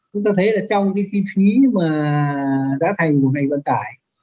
chúng ta thấy là trong cái kinh phí mà giá thành của ngành vận tải